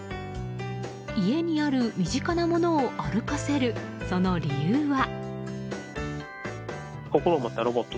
家にある身近なものを歩かせるその理由は。